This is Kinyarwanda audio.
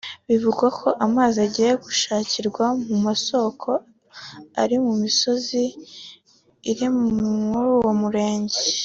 Bivugwa ko amazi agiye gushakirwa mu masoko ari mu misozi iri muri uwo murenge